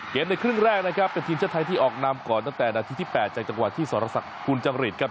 ในครึ่งแรกนะครับเป็นทีมชาติไทยที่ออกนำก่อนตั้งแต่นาทีที่๘จากจังหวะที่สรษักคุณจังหริตครับ